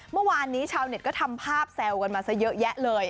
เมื่อวานนี้ชาวเน็ตก็ทำภาพแซวกันมาซะเยอะแยะเลย